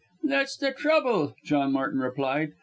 "That's the trouble!" John Martin replied.